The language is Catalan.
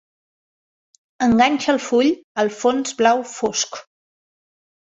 Enganxa el full al fons blau fosc.